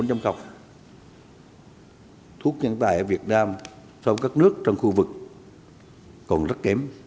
thu hút nhân tài ở việt nam so với các nước trong khu vực còn rất kém